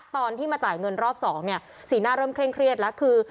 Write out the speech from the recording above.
ตอนที่มาจ่ายเงินรอบสองเนี่ยสีหน้าเริ่มเคร่งเครียดแล้วคือ